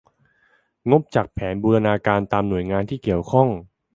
งบจากแผนบูรณาการ ตามหน่วยงานที่เกี่ยวข้อง